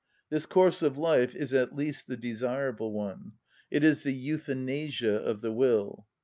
This course of life is at least the desirable one; it is the euthanasia of the will.